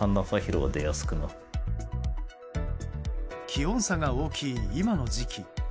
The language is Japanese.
気温差が大きい今の時期。